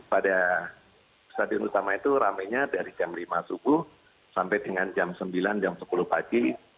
pada stadion utama itu ramenya dari jam lima subuh sampai dengan jam sembilan jam sepuluh pagi